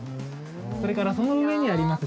それからその上にあります